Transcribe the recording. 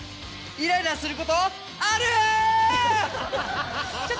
イライラすること？あるー！